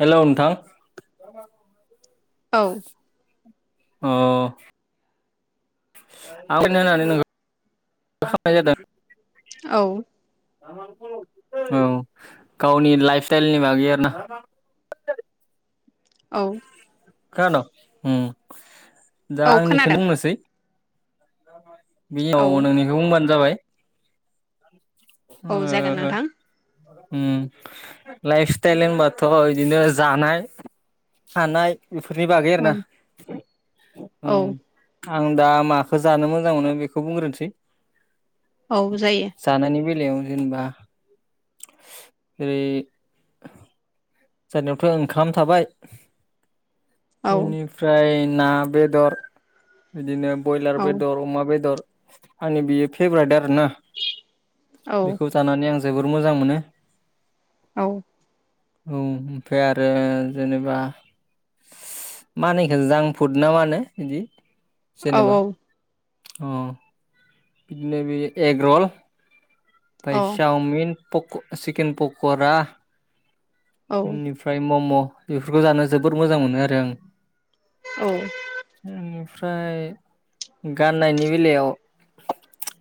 [inaudible] हेल' नोंथां। औ। अह। [unintelligible] औ। औ गावनि लाइफ स्टाइलनि बागै आर ना। औ। खोनाद'? दा औ आंनिखोनो खोनादों बुंनोसै [inaudible] बेनि औ उनाव नोंनिखौ बुंबानो जाबाय। [inaudible] औ जागोन ओ नोंथां। लाइफ स्टाइल होनबाथ' बिदिनो जानाय थानाय बेफोरनि बागै आरो औ ना औ। आं दा माखो जानो मोजां मोनो बेखौ बुंग्रोनोसै औ जायो। जानायनि बेलायाव जेनेबा जेरै जानायावथ' ओंखाम थाबाय औ बेनिफ्राय ना बेदर बिदिनो बयलार औ बेदर अमा बेदर आंनि बियो फेब्राइद आरोना औ बेखौ जानानै आं जोबोर मोजां मोनो। औ। औ ओमफ्राय आरो जेनोबा मा होनो बेखौ जांफुद ना मानो बिदि औ जेनेबा औ। अ बिदिनो बे एग रल फाय साउमिन पक' च्चिकेन पक'रा इनिफ्राय मम' बेफोरखौ जानो जोबोद मोजां मोनो आरो आं। ओम ओमफ्राय गाननायनि बेलायाव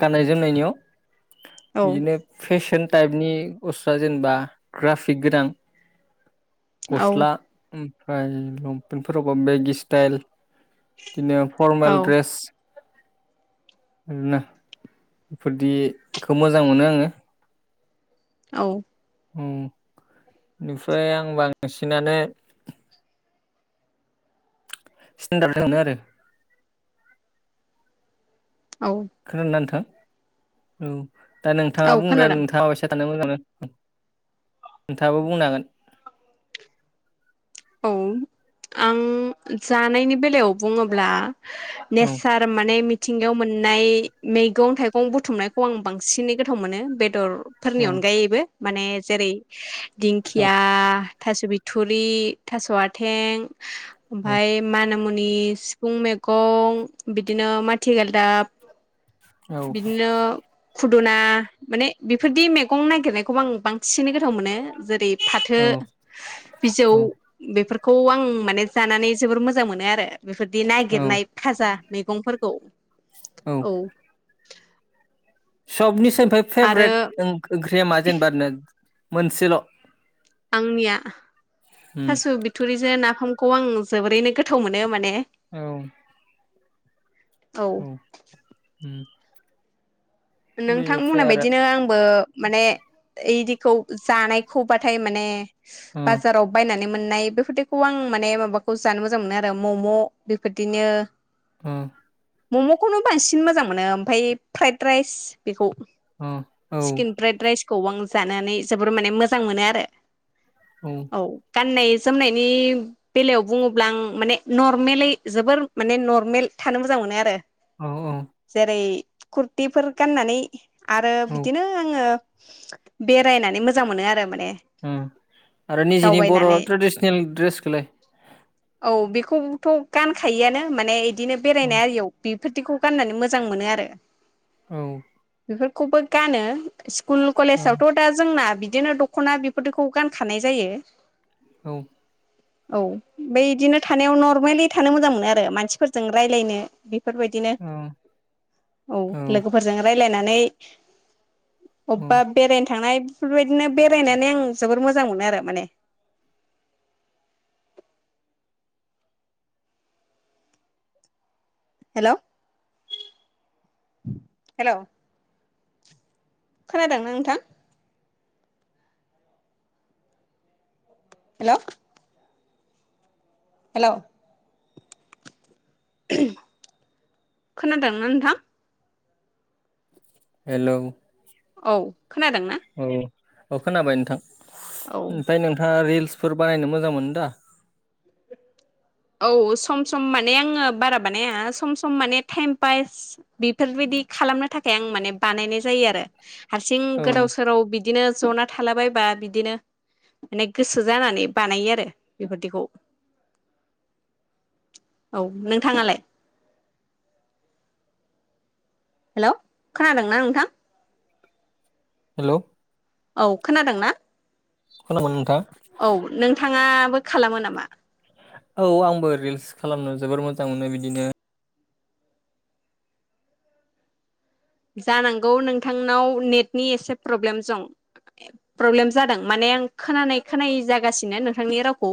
गाननाय जोमनायनियाव बिदिनो फेशन टाइपनि बुस्थुआ जेनोबा ग्राफिक गोनां गस्ला ओम फ्राय लंपेन्टफोरावबो बेगि स्टाइल बिनो फरमेल औ ड्रेस आरोना बेफोरदिखौ मोजां मोनो आङो। औ। औ बेनिफ्राय आं बांसिनानो स्टेनदार्ड [unintelligible] आरो। औ खोनादोंना नोंथां? औ। दा नोंथाङा औ बुंदो खोनादों नोंथाङा [unintelligible] थानो मोजां मोनो नोंथाङाबो बुंनो हागोन। औ आं जानायनि बेलायाव बुङोब्ला औ नेसार माने मि थिंगायाव मोननाय मैगं थाइगं बुथुमनायखौ आं बांसिनै गोथाव मोनो बेदर फोरनि औ अनगायैबो माने जेरै औ दिंखिया थास' बिथुरि थास' आथें ओमफ्राय माना मुनि सिफुं मेगं बिदिनो माथि गालदाब औ बिदिनो खुदुना माने बेफोरदि मेगं नागिरनायखौबो आं बांसिन गोथाव मोनो जेरै फाथो बिजौ बेफोरखौ आं माने जानानै जोबोर मोजां मोनो आरो बेफोरदि औ नागिरनाय भाजा मेगंफोरखौ औ सबनि निफ्राय आरो फेभरेट ओं ओंख्रिया मा जेनेबा ओरैनो मोनसेल' आंनिया उम थास' बिथुरि जो नाफामखौ आं जोबोरैनो गोथाव मोनो माने। औ। औ उम। नोंथां बेनिफ्राय बुंनाय आरो बायदिनो आंबो माने इदिखौ जानायखौबाथाय माने ओ बाजाराव बायनानै मोन ननाय बेफोरखौ आं माने माबाखौ जानो मोजां मोनो आरो मम' बेफोरदिनो ओ। मम'खौनो बांसिन मोजां मोनो ओमफाय फ्राइद राइस बेखौ। ओ औ स्किन ब्राइट राइस खौ आं जानानै जोबोर माने मोजां मोनो आरो। औ। गाननाय जोमनायनि बेलायाव बुङोब्ला आं माने नरमेलै जोबोर माने नर्मेल थानो मोजां मोनो आरो। औ औ जेरै कुरतिफोर गाननानै। आरो औ बिदिनो आङो बेरायनानै मोजां मोनो आरो माने। उम आरो निजिनि बर' दावबायनानै ट्रेडिसनेल ड्रेसखोलाय खौबथ' गानखायोआनो माने दिनो औ बेरायनाय आरियाव बिब फोरथिखौ गाननानै मोजां मोनो आरो। औ। बेफोरखौबो गानो। स्कुल कलेजावथ' दा जोंना बिदि बिदिनो दखना बेखौ गानखानाय जायो। औ। औ ओमफ्राय इदिनो थानायाव नरमेलि थानो मोजां मोनो आरो मानसिफोरजों रायज्लायनो। बेफोरबायदिनो औ औ लोगोफोर जों रायलायनानै औ अबेबा बेरायनो थांनाय बेफोरबायदिनो बेरायनानै आं जोबोर मोजां मोनो आरो माने। हेलौ हेलौ खोनादोंना नोंथां हेलौ हेलौ खोनादोंना नोंथां हेलौ औ। खोनादों ना औ औ खोनाबाय नोंथां। ओमफ्राय नोंथाङा रिल्स फोर बानायनो मोजां मोनोदा औ सम सम माने आङो बारा बानाया सम सम माने टाइम पास बेफोरबायदि खालामनो थाखाय आं माने बानायनाय जायो आरो। हारसिं औ गोदाव सोराव बिदिनो जना थालाबायबा बिदिनो माने गोसो जानानै बानायो आरो बेफोरदिखौ। औ नोंथाङालाय हेल' खोनादोंना नोंथां हेल' औ खोनादों ना खन मोन नथा [inaudible] नाङाबो खालामो नामा? औ आंबो रिल्स खालामनो जोबोर मोजां मोनो बिदिनो जानांगौ नोंथांनाव नेटनि एसे प्रब्लेम दं प्रब्लेम जादों माने आं खोनानाय खोनाय जागासिनो नोंथांनि रावखौ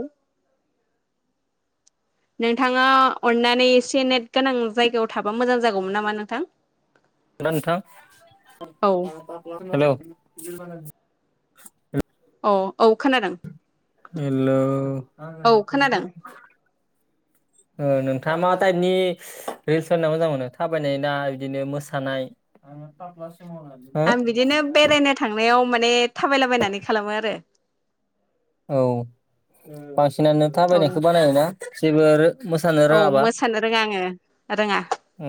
नोंथाङा अननानै एसे नेट गोनां जायगायाव थाबा मोजां जागौमोन नामा नोंथां। थ औ हेल' [inaudible] [inaudible] अ औ खोनादों। हेल' औ खोनादों नोंथाङा मा टाइपनि रिल्स होनना मोजां मोनो थाबायनाय ना बिदिनो मोसानाय? आं बिदिनो बेरायनो थांनायाव माने थाबायलाबायनानै खालामो आरो। औ। बखिानो औ थाबायनायखौ बानायोना जेबो मोसानो औ रोङाबा मोसानो रोङा आङो रोङा औ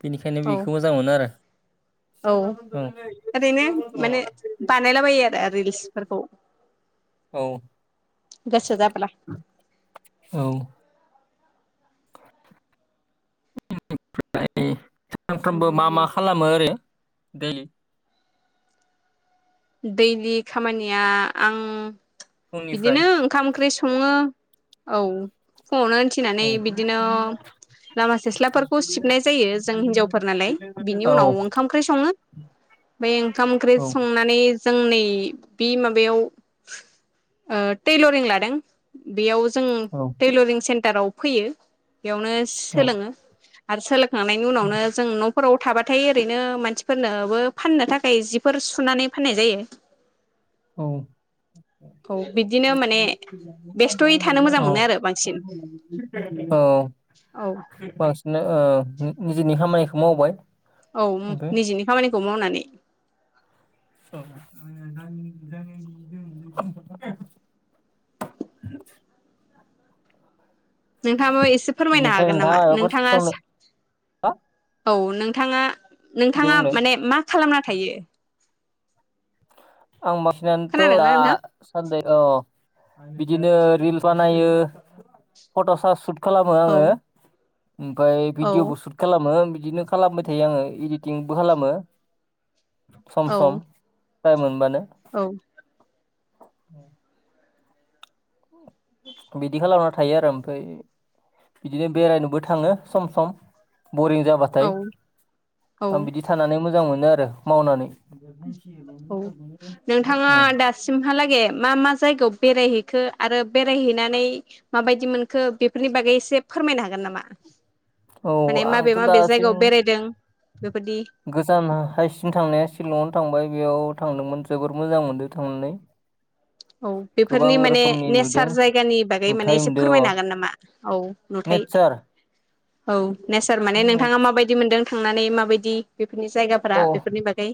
बेनिखायनो औ बेखौ मोजां मोनो आरो औ ओरैनो औ माने बानायलाबायो आरो रिल्सफोरखौ औ गोसो जाब्ला औ फ्राय सानफ्रोमबो मा मा खालामो आरो दैलि दैलि खामानिया आं फुंनिफ्राय बिदिनो ओंखाम ओंख्रि सङो औ फुङावनो औ उथिनानै बिदिनो लामा सिस्लाफोरखौ सिबनाय जायो जों हिनजावफोर नालाय बिनि औ उनाव ओंखाम ओंख्रि सङो बेफ्राय ओंखाम ओंख्रि औ स ज म ं लादों बे ों औ [unintelligible] टाराव फैयो बेयावनो औ सोलोङो आरो सोलोख। थांनायनि उनावनो जों न। खराव थाबाथाय ओरैनो मानसिफोरनोबो फाननो थाखाय जिफोर सु। सुनानै फाननाय जायो औ औ बिदिनो माने औ बेस्थ'यै थानो मोजां मोनो आरो बांसिन औ बास। ओ-नि-निजेनि खामानिखौ मावबाय। औ ओमफ्राय निजेनि खामानि खौ मावनानै [unintelligible] नोंथाङाबो एसे फोरमायनो बेनिफ्राय हागोन नोंथाङा नामा माबाफोर नोंथाङा सोंनो सा। हा औ नोंथाङा दे नोंथाङा बुंलाय माने मा खालामना थायो [unintelligible] खोनादोंना नोंथां बिदिनो रिल्स बानायो फट स सु। खालामो औ आङो ओमफाय औ भिडिअबो सुट खालामो बिदिनो खालामबाय थायो आङो इदिट। टिंबो खालामो सम औ सम टाइम मोनबानो। औ [inaudible] बिदि खालामना थायो आरो ओमफाय बिदिनो बेरायनोबो थाङो सम सम। बरिं औ जाबाथाय आं औ बिदि थानानै मोज। जां मोनो आरो मावनानै। औ नोंथाङा उम। दासिमहालागै मा मा जायगाव। बेरायहैखो आरो बेरायहैनानै माबायदि मोनखो बेफोरनि बागै एसे फोरमायनो हागोन नामा। औ माने माबे आंथ माबे दासिम जायगायाव बेरायदों बेफोरदि गोजान हायसिम थांनाया शिलं। थांबाय बेयाव थांदोंमोन जोबोर मोजां मोनदों थांनानै। औ गोबां बेफोरनि माने रोखोमनि नेचार नुदों जायगानि बागै माने नुथाय एसे नुदों अ फोरमायनो हागोन नामा औ नुथाय। नेचार औ नेचार माने नोंथाङा माबादि मोनदों। थांनानै माबायदि बेफोरनि जायगाफोरा अ बेफोरनि बागै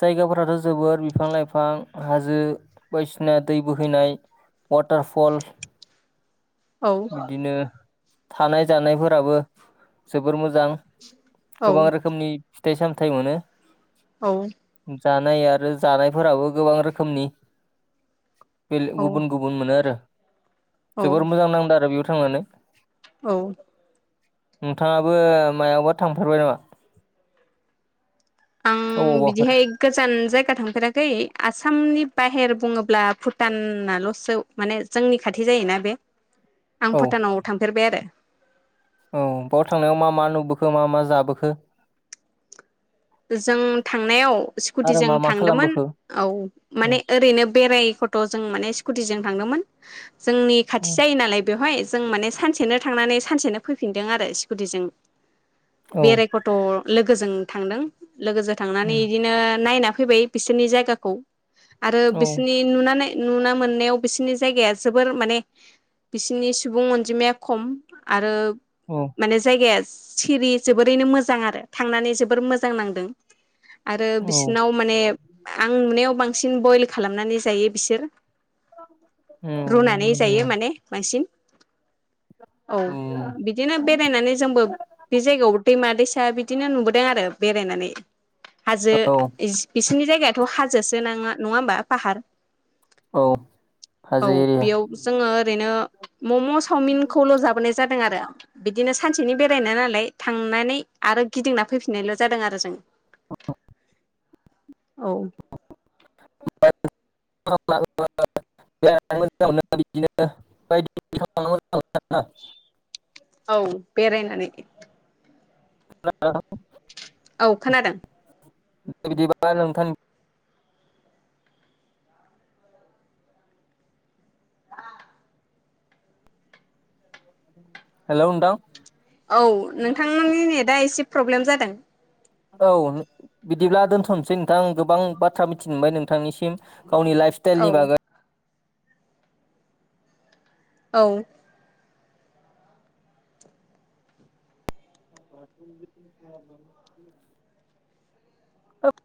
जायगाफोराथ' जोबोर बिफां लाइफां हाजो बायदिसिना दै बोहैनाय वाटारफल औ बिदिनो थानाय जानायफोराबो जोबोर मोजां। मोजां गोबां औ रोखोमनि। फिथाइ सामथाइ मोनो। औ जानाय आरो जानायफोराबो गोबां रोखोमनि। बे औ गुबुन गुबुन मोनो आरो। जोबोर औ मोजां नां। आरो बेयाव थांनानै औ नोंथाङाबो मायावबा थांफारबाय नामा? आं अबावबाफोर बिदिहाय गोजान जायगा थांफेराखै आसामनि बाहेर बुङोब्ला भुटानाल'सो माने जोंनि खाथि जायोना बे आं औ भुटानाव थांफेरबाय आरो औ बेयाव थांनायाव मा मा नुबोखो मा मा जाबोखो? जों थांनायाव आरो स्कुटिजों मा मा थांदोंमोन खालामबोखो औ औ माने ओरैनो बेराय खथ' जों माने स्कुटिजों थांदोंमोन। जोंनि औ खाथि जायो नालाय बेवहाय जों माने सानसेनो थांनानै सानसेनो फैफिनदों आरो स्कुटिजों औ बेराय खथ' लोगोजों थांदों। लोगोजों थांनानै बिदिनो नायना। फैबाय बिसोरनि जायगाखौ। आरो बिसिनि नुनानै। नुनो मोननायाव बिसोरनि जायगाया जोबोर माने बिसोरनि सुबुं अनजिमाया खम आरो औ माने जायगाया सिरि जोबोरैनो मोजां आरो थांनानै जोबोर मो जां नांदों। आरो औ बिसिनाव माने औ आं नुनायाव बांसिन बयल खालामनानै जायो बिसोर। रुनानै उम जायो माने बांसिन। औ उम बिदिनो बेरायनानै जोंबो बे जायगायाव दैमा-दैसा बिदिनो नुबोदों आरो। बेरायनानै हाजो औ इस इस। बिसिनि जायगायाथ' हाजोसो नाङा नङा होमबा पाहार। औ औ हाजो एरिया बेयाव जोङो ओरैनो मम'स चावमिनखौल' जाबोनाय जादों आरो। बिदिनो सानसेनि बेरायनाय नालाय थांनानै आरो गिदिंना फैफिननायल' जादों आरो जों। आ। औ। [unintelligible] औ बेरायनानै। [unintelligible] औ खोनादों। दे बिदिबा नोंथां। हेलौ नोंथां। औ नोंथांमोननि ने दा एसे प्रब्लेम जादों। औ बिदिब्ला दोन्थ'नोसै नोंथां गोबां बाथ्रा मिथि मोनबाय नोंथांनिसिम। गावनि लाइफ औ स्टाइलनि बागै। औ। [unintelligible]